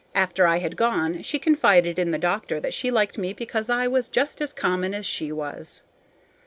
After I had gone, she confided to the doctor that she liked me because I was just as common as she was.